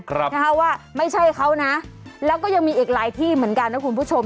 ครับนะฮะว่าไม่ใช่เขานะแล้วก็ยังมีอีกหลายที่เหมือนกันนะคุณผู้ชม